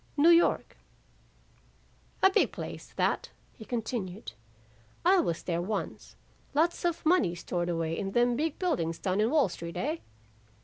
"'New York.' "'A big place that,' he continued. 'I was there once, lots of money stored away in them big buildings down in Wall Street, eh?